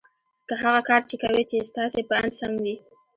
که هغه کار چې کوئ یې ستاسې په اند سم وي